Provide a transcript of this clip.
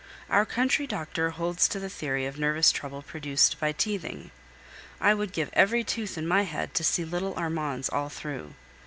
Our country doctor holds to the theory of nervous trouble produced by teething. I would give every tooth in my head to see little Armand's all through.